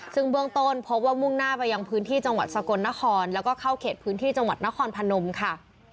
ซึ่งเบื้องต้นพบว่ามุ่งหน้าไปยังพื้นที่จังหวัดสกลนครแล้วก็เข้าเขตพื้นที่จังหวัดนครพนมค่ะ